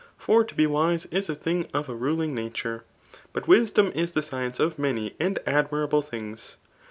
For to be wise is a thing of a ruling nature. But wi^om is the science of many and admirable things.